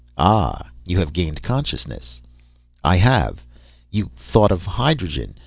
"Ah you have gained consciousness." "I have. You thought of hydrogen?